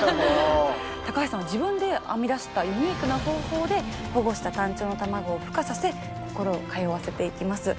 高橋さんは自分で編み出したユニークな方法で保護したタンチョウの卵をふ化させ心を通わせていきます。